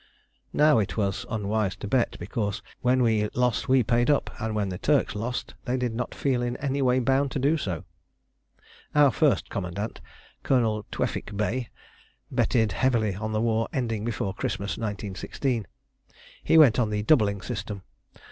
Now it was unwise to bet, because when we lost we paid up, and when the Turks lost they did not feel in any way bound to do so. Our first commandant, Colonel Tewfik Bey, betted heavily on the war ending before Christmas 1916. He went on the doubling system.